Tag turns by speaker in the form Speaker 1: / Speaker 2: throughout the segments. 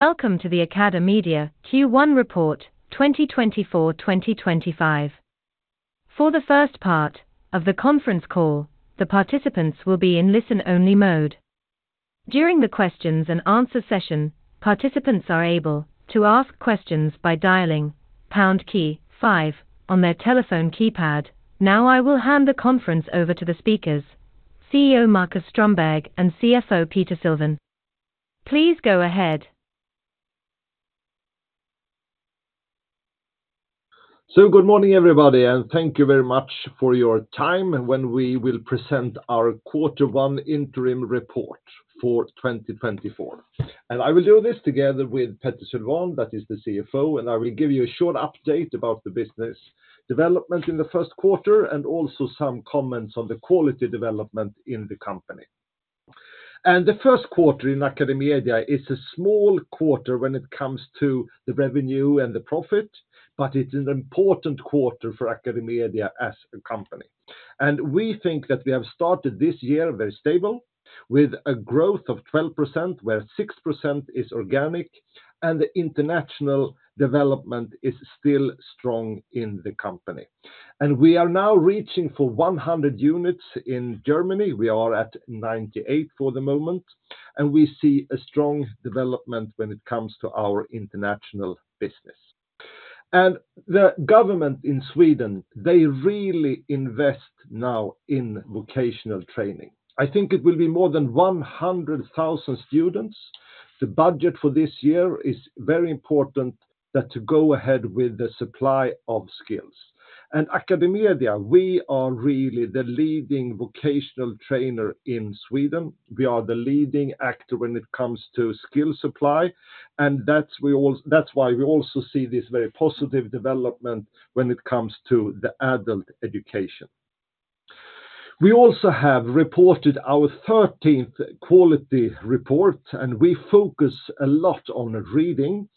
Speaker 1: ...Welcome to the AcadeMedia Q1 report 2024/2025. For the first part of the conference call, the participants will be in listen-only mode. During the questions and answer session, participants are able to ask questions by dialing #key five on their telephone keypad. Now, I will hand the conference over to the speakers, CEO Marcus Strömberg and CFO Peter Sylvan. Please go ahead.
Speaker 2: Good morning, everybody, and thank you very much for your time. We will present our quarter one interim report for 2024. I will do this together with Petter Sylvan, that is the CFO, and I will give you a short update about the business development in the first quarter, and also some comments on the quality development in the company. The first quarter in AcadeMedia is a small quarter when it comes to the revenue and the profit, but it is an important quarter for AcadeMedia as a company. We think that we have started this year very stable, with a growth of 12%, where 6% is organic, and the international development is still strong in the company. We are now reaching for 100 units in Germany. We are at 98 for the moment, and we see a strong development when it comes to our international business. The government in Sweden, they really invest now in vocational training. I think it will be more than 100,000 students. The budget for this year is very important that to go ahead with the supply of skills. AcadeMedia, we are really the leading vocational trainer in Sweden. We are the leading actor when it comes to skill supply, and that's why we also see this very positive development when it comes to the adult education. We also have reported our thirteenth quality report, and we focus a lot on reading,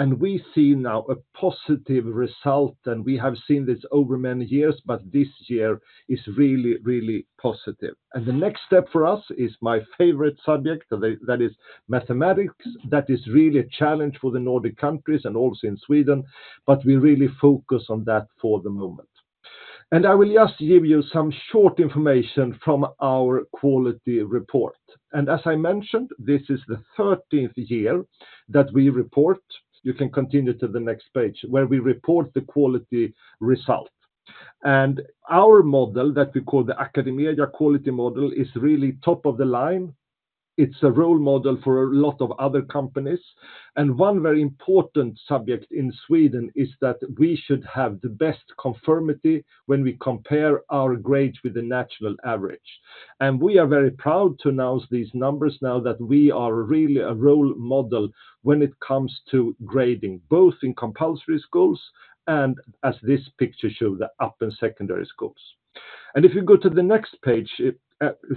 Speaker 2: and we see now a positive result, and we have seen this over many years, but this year is really, really positive. The next step for us is my favorite subject, that is, mathematics. That is really a challenge for the Nordic countries and also in Sweden, but we really focus on that for the moment. I will just give you some short information from our quality report. As I mentioned, this is the thirteenth year that we report. You can continue to the next page, where we report the quality result. Our model, that we call the AcadeMedia Quality Model, is really top of the line. It's a role model for a lot of other companies. One very important subject in Sweden is that we should have the best conformity when we compare our grades with the national average. And we are very proud to announce these numbers now that we are really a role model when it comes to grading, both in compulsory schools and, as this picture show, the upper secondary schools. And if you go to the next page,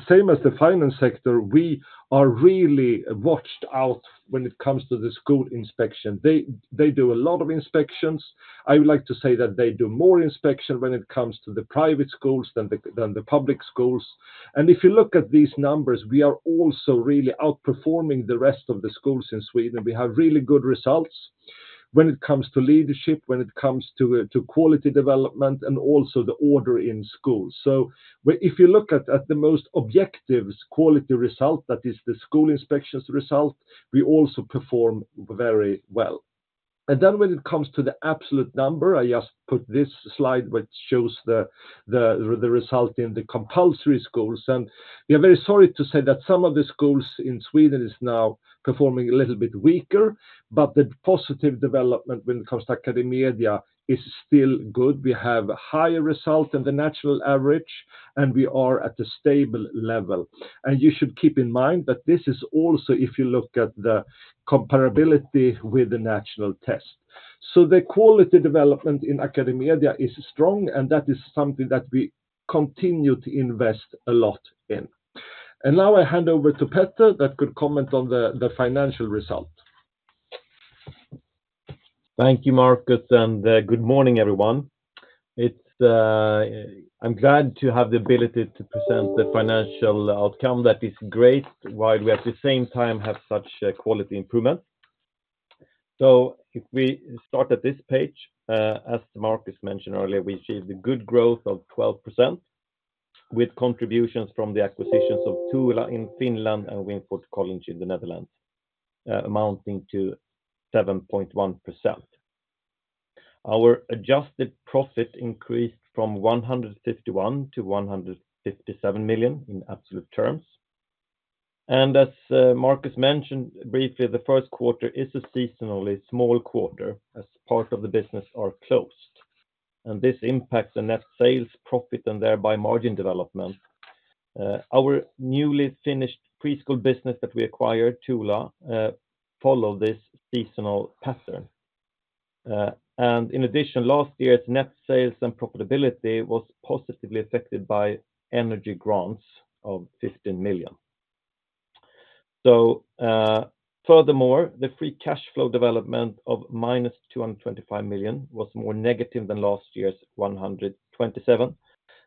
Speaker 2: same as the finance sector, we are really watched out when it comes to the school inspection. They do a lot of inspections. I would like to say that they do more inspection when it comes to the private schools than the public schools. And if you look at these numbers, we are also really outperforming the rest of the schools in Sweden. We have really good results when it comes to leadership, when it comes to quality development, and also the order in schools. So if you look at the most objective quality result, that is the school inspections result, we also perform very well. And then when it comes to the absolute number, I just put this slide, which shows the result in the compulsory schools, and we are very sorry to say that some of the schools in Sweden is now performing a little bit weaker, but the positive development when it comes to AcadeMedia is still good. We have a higher result than the national average, and we are at a stable level. And you should keep in mind that this is also if you look at the comparability with the national test. So the quality development in AcadeMedia is strong, and that is something that we continue to invest a lot in. And now I hand over to Peter, that could comment on the financial result.
Speaker 3: Thank you, Marcus, and good morning, everyone. It's I'm glad to have the ability to present the financial outcome that is great, while we, at the same time, have such a quality improvement. If we start at this page, as Marcus mentioned earlier, we achieved a good growth of 12%, with contributions from the acquisitions of Touhula in Finland and Winford in the Netherlands, amounting to 7.1%. Our adjusted profit increased from 151-157 million SEK in absolute terms. And as Marcus mentioned briefly, the first quarter is a seasonally small quarter as part of the business are closed, and this impacts the net sales, profit, and thereby margin development. Our newly Finnish preschool business that we acquired, Touhula, follow this seasonal pattern. And in addition, last year's net sales and profitability was positively affected by energy grants of 15 million SEK. So, furthermore, the free cash flow development of -225 million SEK was more negative than last year's 127 million SEK.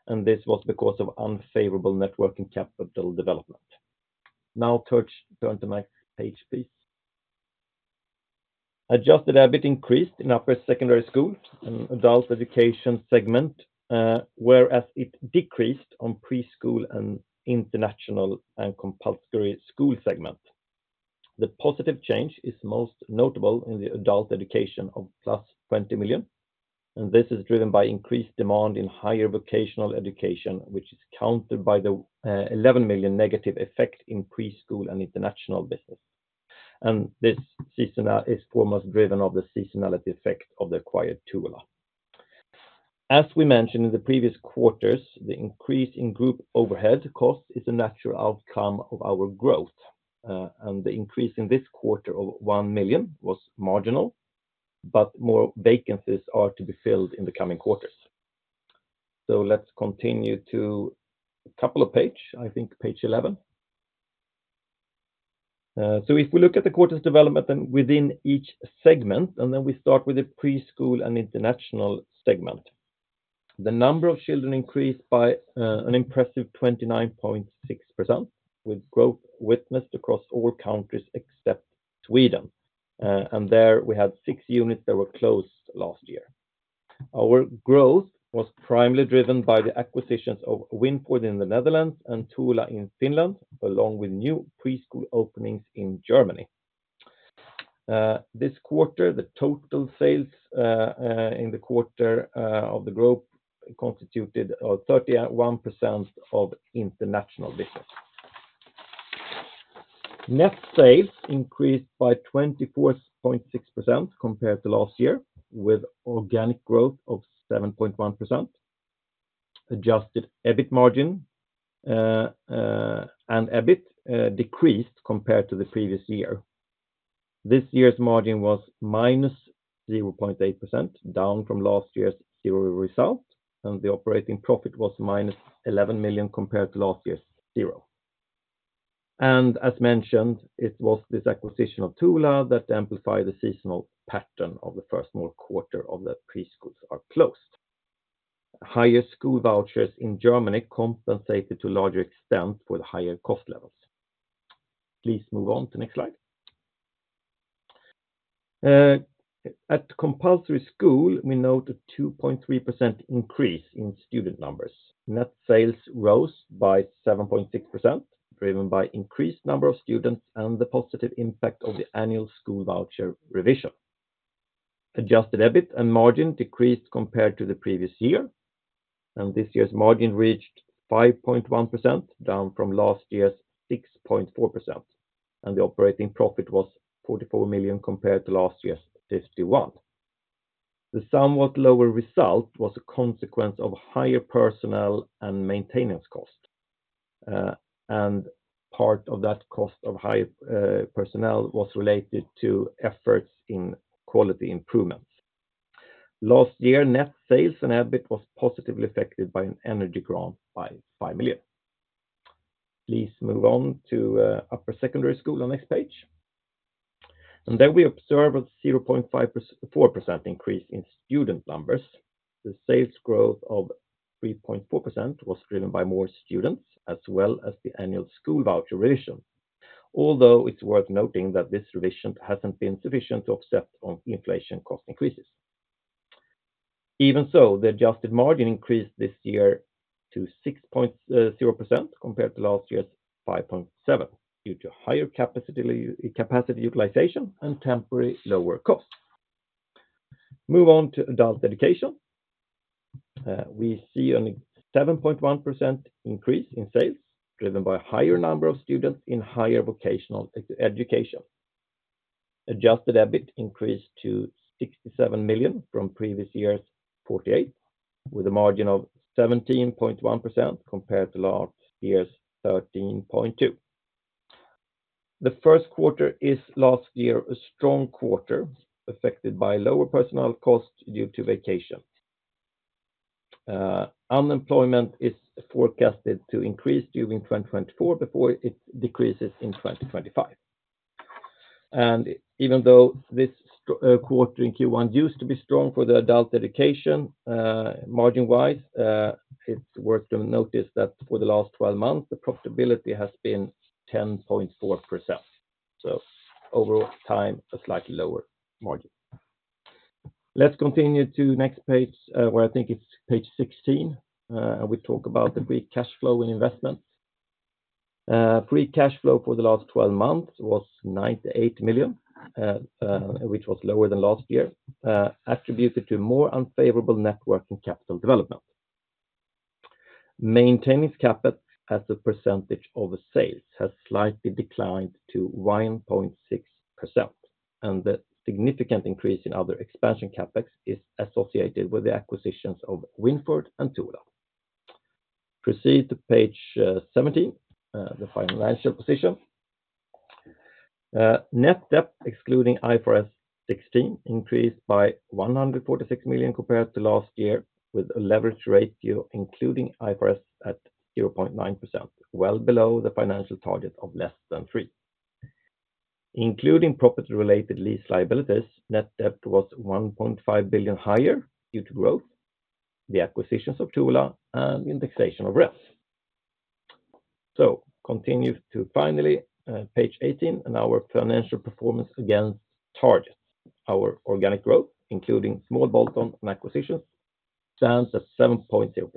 Speaker 3: And this was because of unfavorable net working capital development. Now turn to my page, please. Adjusted EBIT increased in upper secondary school and adult education segment, whereas it decreased on preschool and international and compulsory school segment. The positive change is most notable in the adult education of +20 million SEK, and this is driven by increased demand in higher vocational education, which is countered by the 11 million SEK negative effect in preschool and international business. And this seasonality is foremost driven by the seasonality effect of the acquired Touhula. As we mentioned in the previous quarters, the increase in group overhead costs is a natural outcome of our growth, and the increase in this quarter of 1 million was marginal, but more vacancies are to be filled in the coming quarters. So let's continue to a couple of page, I think page 11. So if we look at the quarters development and within each segment, and then we start with the preschool and international segment. The number of children increased by an impressive 29.6%, with growth witnessed across all countries except Sweden, and there we had six units that were closed last year. Our growth was primarily driven by the acquisitions of Winford in the Netherlands and Touhula in Finland, along with new preschool openings in Germany. This quarter, the total sales in the quarter of the group constituted 31% of international business. Net sales increased by 24.6% compared to last year, with organic growth of 7.1%. Adjusted EBIT margin and EBIT decreased compared to the previous year. This year's margin was -0.8%, down from last year's zero result, and the operating profit was -11 million SEK compared to last year's zero. And as mentioned, it was this acquisition of Touhula that amplified the seasonal pattern of the first small quarter of the preschools are closed. Higher school vouchers in Germany compensated to a larger extent for the higher cost levels. Please move on to the next slide. At compulsory school, we note a 2.3% increase in student numbers. Net sales rose by 7.6%, driven by increased number of students and the positive impact of the annual school voucher revision. Adjusted EBIT and margin decreased compared to the previous year, and this year's margin reached 5.1%, down from last year's 6.4%, and the operating profit was 44 million compared to last year's 51 million. The somewhat lower result was a consequence of higher personnel and maintenance cost, and part of that cost of high personnel was related to efforts in quality improvements. Last year, net sales and EBIT was positively affected by an energy grant by 5 million. Please move on to upper secondary school on next page. And then we observe a 0.54% increase in student numbers. The sales growth of 3.4% was driven by more students, as well as the annual school voucher revision. Although it's worth noting that this revision hasn't been sufficient to offset on inflation cost increases. Even so, the adjusted margin increased this year to 6.0% compared to last year's 5.7%, due to higher capacity, capacity utilization and temporary lower costs. Move on to adult education. We see a 7.1% increase in sales, driven by a higher number of students in higher vocational education. Adjusted EBIT increased to 67 million from previous year's 48, with a margin of 17.1% compared to last year's 13.2%. The first quarter is last year, a strong quarter, affected by lower personnel costs due to vacation. Unemployment is forecasted to increase during 2024 before it decreases in 2025. And even though this quarter in Q1 used to be strong for the adult education, margin-wise, it's worth to notice that for the last twelve months, the profitability has been 10.4%. So over time, a slightly lower margin. Let's continue to next page, where I think it's page 16, and we talk about the free cash flow and investment. Free cash flow for the last twelve months was 98 million SEK, which was lower than last year, attributed to more unfavorable net working capital development. Maintaining CapEx as a percentage of sales has slightly declined to 1.6%, and the significant increase in other expansion CapEx is associated with the acquisitions of Winford and Touhula. Proceed to page seventeen, the financial position. Net debt, excluding IFRS 16, increased by 146 million compared to last year, with a leverage ratio, including IFRS, at 0.9%, well below the financial target of less than 3%. Including property-related lease liabilities, net debt was 1.5 billion higher due to growth, the acquisitions of Touhula, and indexation of rents. Continue to finally, page eighteen and our financial performance against target. Our organic growth, including small bolt-on and acquisitions, stands at 7.0%,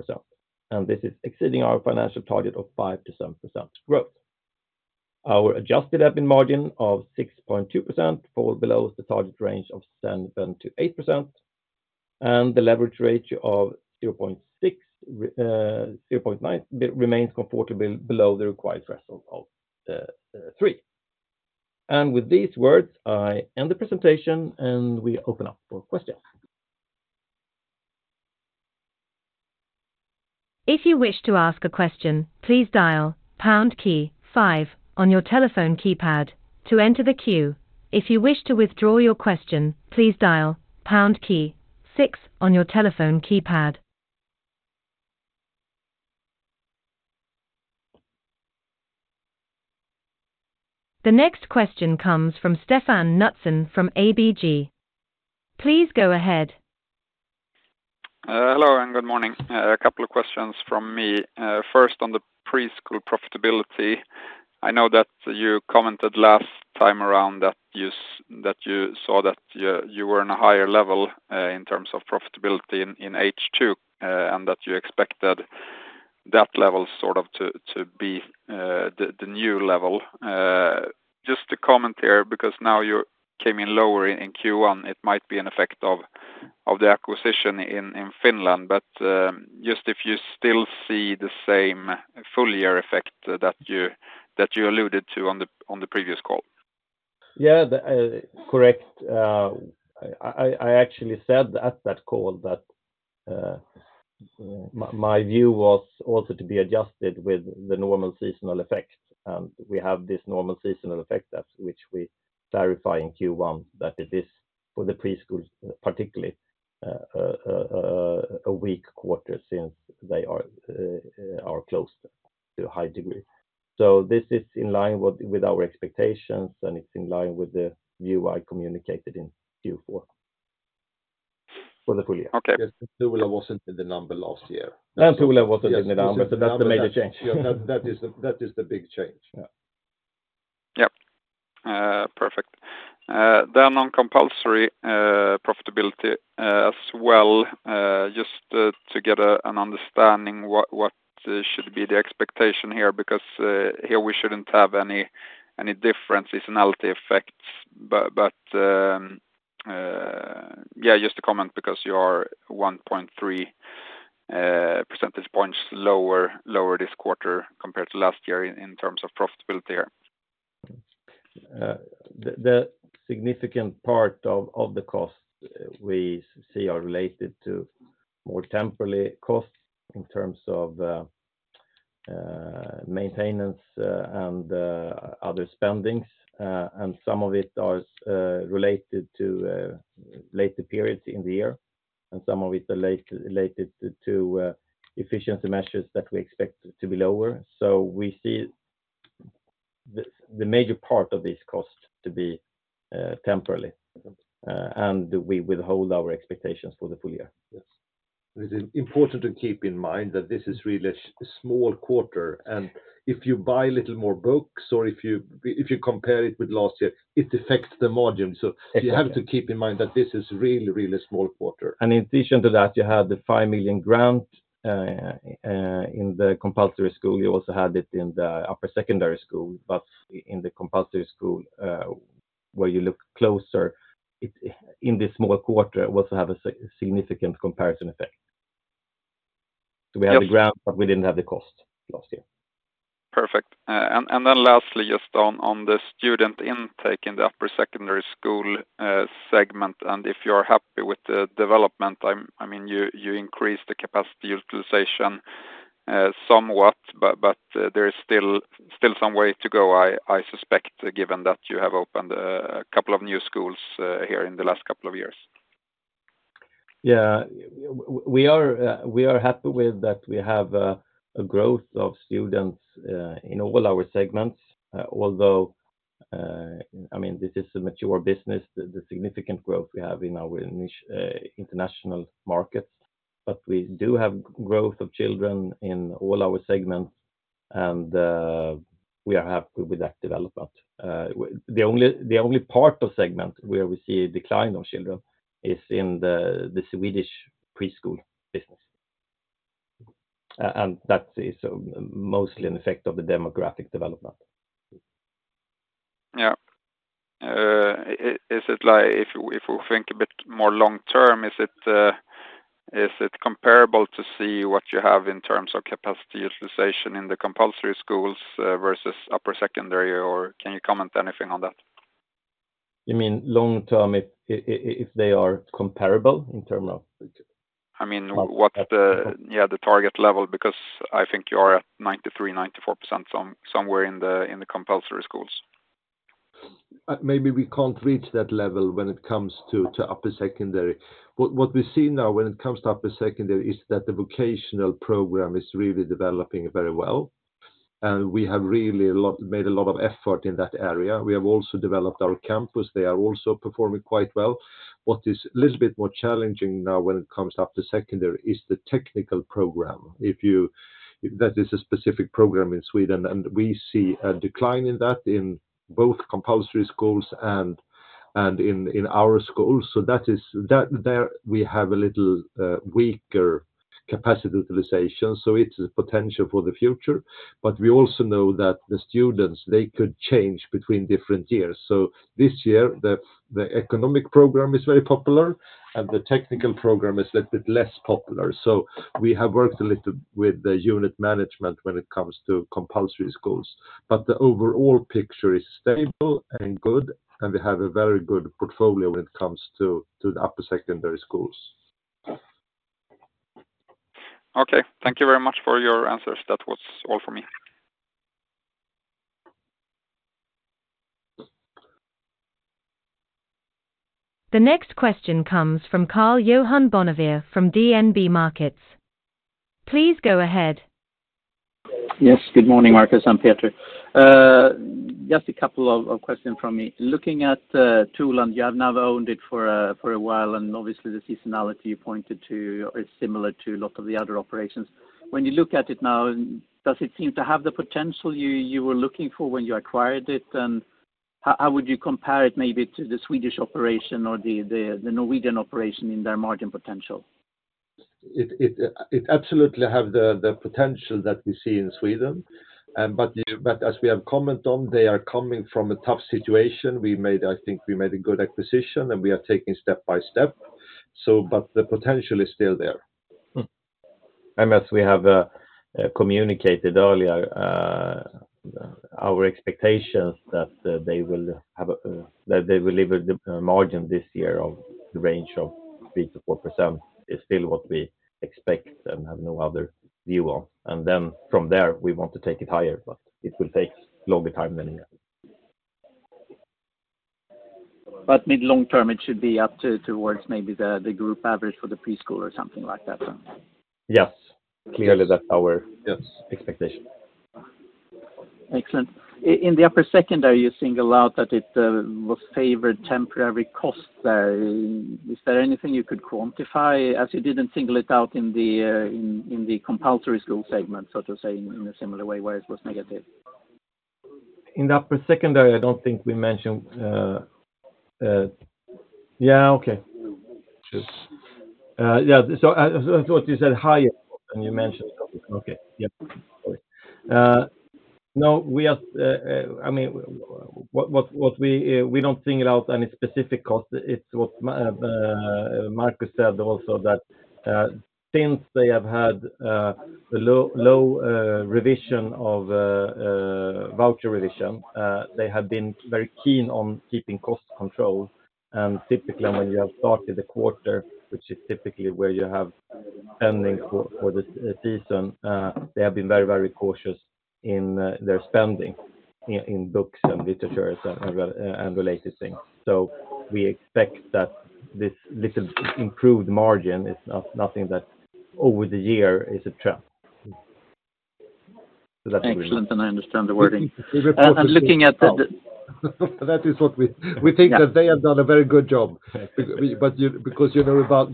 Speaker 3: and this is exceeding our financial target of 5%-7% growth. Our adjusted EBIT margin of 6.2% fall below the target range of 7%-8%, and the leverage rate of zero point six, zero point nine remains comfortably below the required threshold of three. With these words, I end the presentation, and we open up for questions.
Speaker 1: If you wish to ask a question, please dial pound key five on your telephone keypad to enter the queue. If you wish to withdraw your question, please dial pound key six on your telephone keypad. The next question comes from Stefan Knutsson from ABG. Please go ahead.
Speaker 4: Hello, and good morning. A couple of questions from me. First, on the preschool profitability, I know that you commented last time around that you saw that you were in a higher level, in terms of profitability in H2, and that you expected that level sort of to be the new level. Just to comment there, because now you came in lower in Q1, it might be an effect of the acquisition in Finland, but just if you still see the same full year effect that you alluded to on the previous call.
Speaker 3: Yeah, that's correct. I actually said at that call that my view was also to be adjusted with the normal seasonal effect, and we have this normal seasonal effect that which we verify in Q1, that it is for the preschools, particularly, a weak quarter since they are closed to a high degree. So this is in line with our expectations, and it's in line with the view I communicated in Q4 for the full year.
Speaker 4: Okay.
Speaker 2: Touhula wasn't in the number last year.
Speaker 3: Touhula wasn't in the number, so that's the major change.
Speaker 2: Yeah, that is the big change.
Speaker 3: Yeah.
Speaker 4: Yep. Perfect. Then on compulsory profitability, as well, just to get an understanding what should be the expectation here, because here we shouldn't have any difference, seasonality effects. But yeah, just to comment, because you are 1.3 percentage points lower this quarter compared to last year in terms of profitability here.
Speaker 3: The significant part of the cost we see are related to more temporary costs in terms of maintenance and other spending. And some of it is related to later periods in the year, and some of it are related to efficiency measures that we expect to be lower. So we see the major part of this cost to be temporary, and we withhold our expectations for the full year.
Speaker 2: Yes. It is important to keep in mind that this is really a small quarter, and if you buy a little more books or if you compare it with last year, it affects the margin. So.
Speaker 3: Exactly...
Speaker 2: you have to keep in mind that this is really, really small quarter.
Speaker 3: In addition to that, you have the 5 million grant in the compulsory school. You also had it in the upper secondary school, but in the compulsory school, where you look closer. In this small quarter, it also have a significant comparison effect.
Speaker 4: Yes.
Speaker 3: We have the grant, but we didn't have the cost last year.
Speaker 4: Perfect. And then lastly, just on the student intake in the upper secondary school segment, and if you're happy with the development. I mean, you increased the capacity utilization somewhat, but there is still some way to go, I suspect, given that you have opened a couple of new schools here in the last couple of years.
Speaker 3: Yeah. We are happy with that we have a growth of students in all our segments. Although, I mean, this is a mature business, the significant growth we have in our niche international markets, but we do have growth of children in all our segments, and we are happy with that development. The only part of segment where we see a decline of children is in the Swedish preschool business, and that is mostly an effect of the demographic development.
Speaker 4: Yeah. If we think a bit more long term, is it comparable to see what you have in terms of capacity utilization in the compulsory schools versus upper secondary, or can you comment anything on that?
Speaker 3: You mean long term, if they are comparable in terms of-
Speaker 4: I mean, what's the target level, because I think you are at 93%-94% somewhere in the compulsory schools.
Speaker 2: Maybe we can't reach that level when it comes to upper secondary. What we see now when it comes to upper secondary is that the vocational program is really developing very well. And we have really made a lot of effort in that area. We have also developed our campus. They are also performing quite well. What is a little bit more challenging now when it comes to upper secondary is the technical program. That is a specific program in Sweden, and we see a decline in that in both compulsory schools and in our schools. So there we have a little weaker capacity utilization, so it's a potential for the future. But we also know that the students, they could change between different years. This year, the economic program is very popular, and the technical program is a little bit less popular. We have worked a little with the unit management when it comes to compulsory schools. The overall picture is stable and good, and we have a very good portfolio when it comes to the upper secondary schools.
Speaker 3: Okay, thank you very much for your answers. That was all for me.
Speaker 1: The next question comes from Karl-Johan Bonnevier from DNB Markets. Please go ahead.
Speaker 5: Yes, good morning, Marcus and Peter. Just a couple of questions from me. Looking at Touhula, you have now owned it for a while, and obviously, the seasonality you pointed to is similar to a lot of the other operations. When you look at it now, does it seem to have the potential you were looking for when you acquired it? And how would you compare it maybe to the Swedish operation or the Norwegian operation in their margin potential?
Speaker 2: It absolutely have the potential that we see in Sweden. But as we have commented on, they are coming from a tough situation. I think we made a good acquisition, and we are taking step by step. So but the potential is still there.
Speaker 3: Mm-hmm. And as we have communicated earlier, our expectations that they will leave a margin this year in the range of 3-4% is still what we expect and have no other view on. And then from there, we want to take it higher, but it will take longer time than a year.
Speaker 5: But mid long term, it should be up to, towards maybe the group average for the preschool or something like that?
Speaker 3: Yes. Clearly, that's our-
Speaker 2: Yes
Speaker 3: -expectation.
Speaker 5: Excellent. In the upper secondary, you single out that it was favored temporary cost there. Is there anything you could quantify, as you didn't single it out in the compulsory school segment, so to say, in a similar way, where it was negative?
Speaker 3: In the upper secondary, I don't think we mentioned. Yeah, okay. Yeah, so I thought you said higher, and you mentioned it. Okay. Yep. No, we are, I mean, what we don't single out any specific cost. It's what Marcus said also that since they have had a low revision of voucher revision, they have been very keen on keeping cost control. And typically, when you have started the quarter, which is typically where you have earnings for the season, they have been very cautious in their spending in books and literature and related things. So we expect that this little improved margin is not nothing that over the year is a trend.
Speaker 5: Excellent, and I understand the wording. And looking at the-
Speaker 2: That is what we-
Speaker 5: Yeah.
Speaker 2: We think that they have done a very good job. But you, because you know about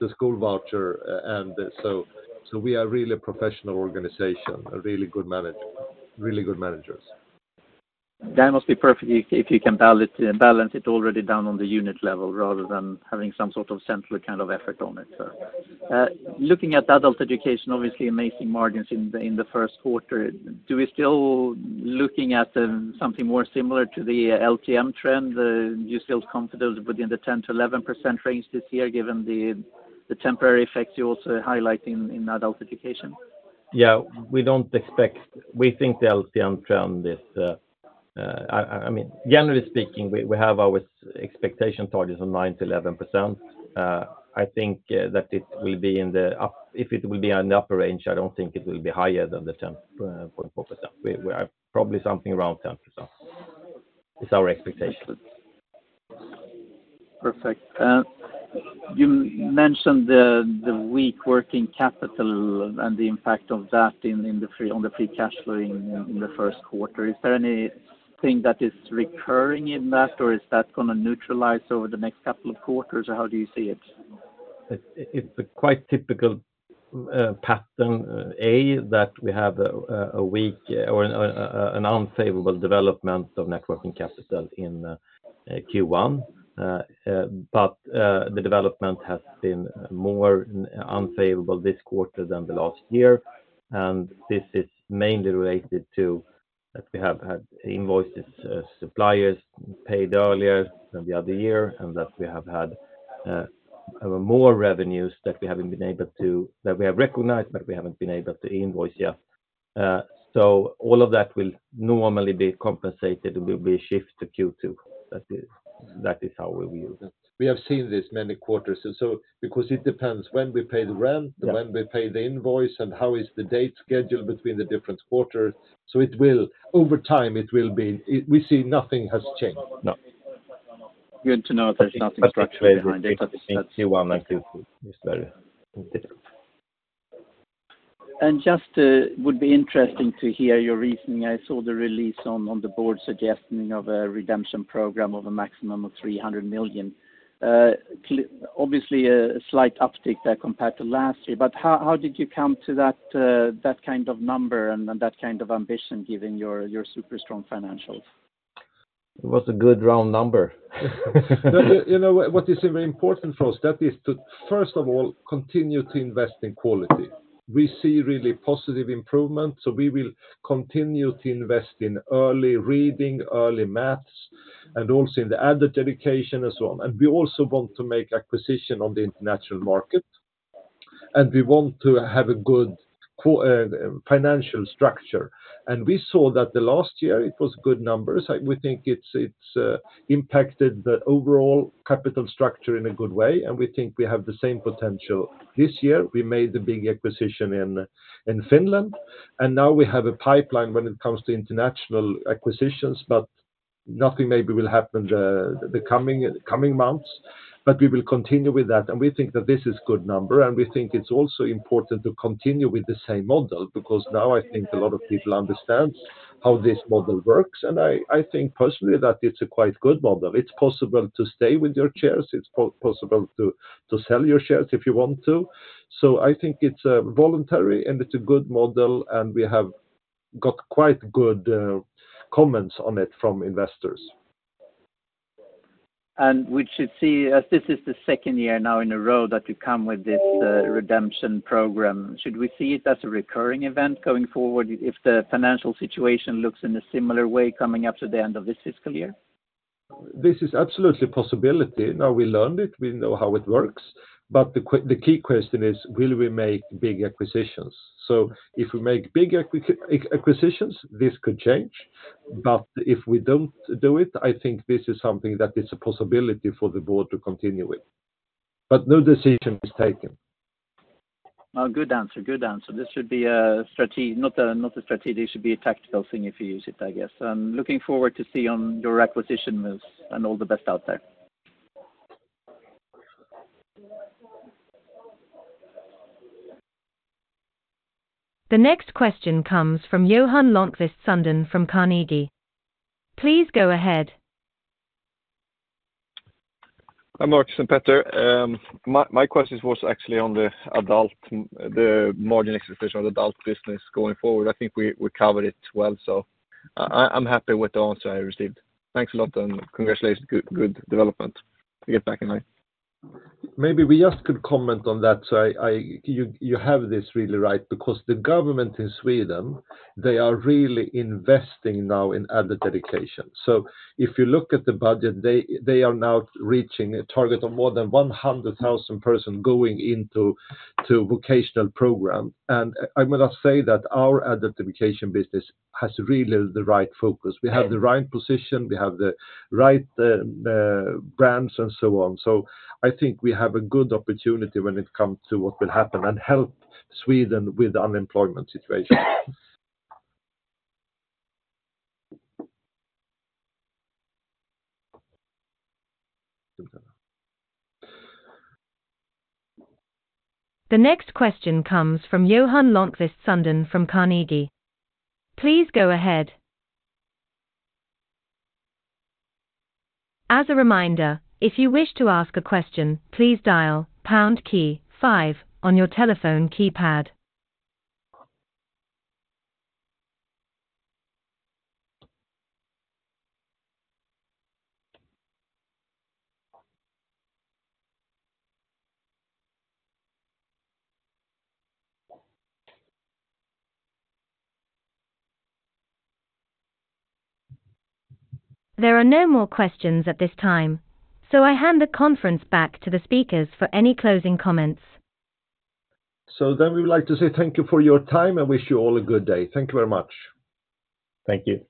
Speaker 2: the school voucher, and so we are really a professional organization, really good managers.
Speaker 5: That must be perfect if you can balance it already down on the unit level rather than having some sort of central kind of effort on it. So, looking at adult education, obviously amazing margins in the first quarter, do we still looking at something more similar to the LTM trend? You still confident within the 10%-11% range this year, given the temporary effects you also highlight in adult education?
Speaker 3: Yeah, we don't expect. We think the LTM trend is, I mean, generally speaking, we have our expectation targets on 9-11%. I think that it will be in the upper range. I don't think it will be higher than the 10.4%. We are probably something around 10%, is our expectation.
Speaker 5: Perfect. You mentioned the weak working capital and the impact of that on the free cash flow in the first quarter. Is there anything that is recurring in that, or is that gonna neutralize over the next couple of quarters, or how do you see it?
Speaker 3: It's a quite typical pattern that we have a weak or an unfavorable development of net working capital in Q1. But the development has been more unfavorable this quarter than the last year. And this is mainly related to that we have had invoices, suppliers paid earlier than the other year, and that we have had more revenues that we haven't been able to, that we have recognized, but we haven't been able to invoice yet. So all of that will normally be compensated, and will be shift to Q2. That is our view.
Speaker 2: We have seen this many quarters, and so because it depends when we pay the rent-
Speaker 5: Yeah...
Speaker 2: when we pay the invoice, and how is the date scheduled between the different quarters? So over time, it will be. We see nothing has changed.
Speaker 5: No....
Speaker 3: Good to know if there's nothing structurally behind it.
Speaker 5: Just, would be interesting to hear your reasoning. I saw the release on the board suggesting of a redemption program of a maximum of 300 million. Clearly, obviously, a slight uptick there compared to last year, but how did you come to that kind of number and that kind of ambition, given your super strong financials?
Speaker 3: It was a good round number.
Speaker 2: You know what, what is very important for us, that is to, first of all, continue to invest in quality. We see really positive improvement, so we will continue to invest in early reading, early math, and also in the adult education as well. And we also want to make acquisition on the international market, and we want to have a good financial structure. And we saw that the last year, it was good numbers. We think it's impacted the overall capital structure in a good way, and we think we have the same potential this year. We made the big acquisition in Finland, and now we have a pipeline when it comes to international acquisitions, but nothing maybe will happen the coming months. But we will continue with that, and we think that this is good number, and we think it's also important to continue with the same model, because now I think a lot of people understand how this model works, and I think personally, that it's a quite good model. It's possible to stay with your shares, it's possible to sell your shares if you want to. So I think it's voluntary, and it's a good model, and we have got quite good comments on it from investors.
Speaker 5: We should see, as this is the second year now in a row, that you come with this, Redemption Program. Should we see it as a recurring event going forward, if the financial situation looks in a similar way coming up to the end of this fiscal year?
Speaker 2: This is absolute possibility. Now, we learned it, we know how it works, but the key question is: Will we make big acquisitions? So if we make big acquisitions, this could change, but if we don't do it, I think this is something that is a possibility for the board to continue with. But no decision is taken.
Speaker 5: Good answer, good answer. This should be not a strategic, it should be a tactical thing if you use it, I guess. I'm looking forward to see on your acquisition moves, and all the best out there.
Speaker 1: The next question comes from Johan Lönnqvist Sundén from Carnegie. Please go ahead.
Speaker 6: Hi, Marcus and Petter. My question was actually on the adult, the margin expectation of the adult business going forward. I think we covered it well, so I'm happy with the answer I received. Thanks a lot, and congratulations. Good development. To get back in line.
Speaker 2: Maybe we just could comment on that, so I. You have this really right, because the government in Sweden, they are really investing now in adult education. So if you look at the budget, they are now reaching a target of more than one hundred thousand person going into to vocational program. And I'm gonna say that our adult education business has really the right focus. We have the right position, we have the right brands and so on. So I think we have a good opportunity when it comes to what will happen, and help Sweden with unemployment situation.
Speaker 1: The next question comes from Johan Lönnqvist Sundén from Carnegie. Please go ahead. As a reminder, if you wish to ask a question, please dial pound key five on your telephone keypad. There are no more questions at this time, so I hand the conference back to the speakers for any closing comments.
Speaker 2: So then we would like to say thank you for your time and wish you all a good day. Thank you very much.
Speaker 3: Thank you.